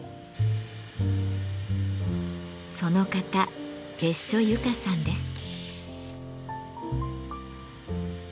その方別所由加さんです。